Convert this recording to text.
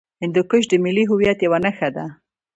هندوکش د ملي هویت یوه نښه ده.